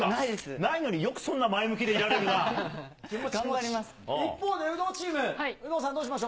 ないのによくそんな前向きで頑張ります。